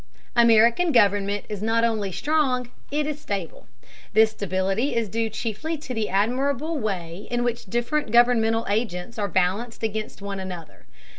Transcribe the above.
American government is not only strong, it is stable. This stability is due chiefly to the admirable way in which different governmental agents are balanced against one another.